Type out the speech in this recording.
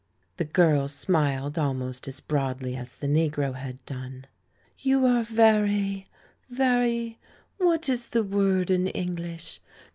The girl smiled almost as broadly as the negro had done. "You are very — very — what is the word in English?